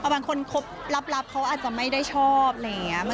บางคนครบลับเขาอาจจะไม่ได้ชอบอะไรอย่างนี้